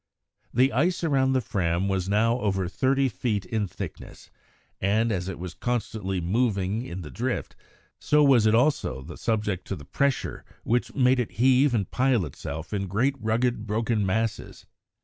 The ice around the Fram was now over thirty feet in thickness, and, as it was constantly moving in the drift, so was it also subject to the pressure which made it heave and pile itself in great rugged broken masses.